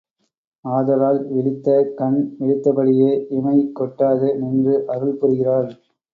ஆதலால் விழித்த கண் விழித்தபடியே இமை கொட்டாது நின்று அருள் புரிகிறாள்.